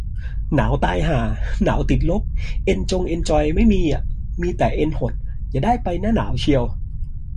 หนาวตายห่า หนาวติดลบ เอ็นจงเอ็นจอยไม่มีอะ มีแต่เอ็นหด อย่าได้ไปหน้าหนาวเชียว